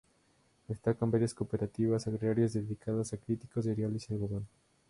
Destacan varias cooperativas agrarias dedicadas a cítricos, cereales y algodón.